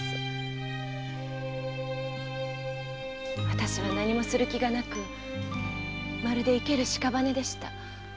私は何もする気がなくまるで生ける屍でした。